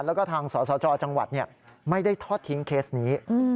และทางสหชาชาวจังหวัดไม่ได้ทอดทิ้งเคสนี้